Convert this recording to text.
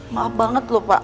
maaf banget lho pak